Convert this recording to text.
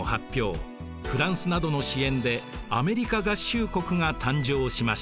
フランスなどの支援でアメリカ合衆国が誕生しました。